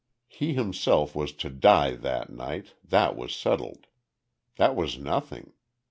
He himself was to die that night, that was settled. That was nothing.